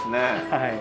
はい。